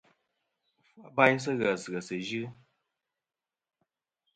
Fu abayn sɨ̂ ghès ghèsɨ̀ yɨ.